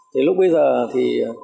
thì lúc bây giờ thì